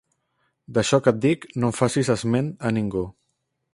D'això que et dic, no en facis esment a ningú.